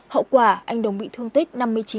hậu quả anh đồng bị thương tích năm mươi chín